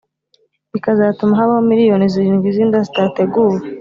bikazatuma habaho miliyoni zirindwi z’inda zitateguwe,